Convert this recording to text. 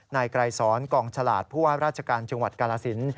นายไกรสอนกองฉลาดผู้ว่าราชการจังหวัดกาลสิน